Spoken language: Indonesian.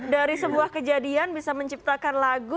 dari sebuah kejadian bisa menciptakan lagu